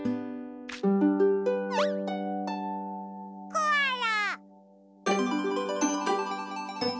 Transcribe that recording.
コアラ。